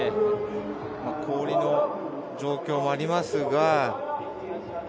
氷の状況もありますが。